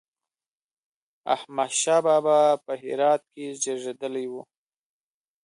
احمد شاه بابا په هرات کې زېږېدلی و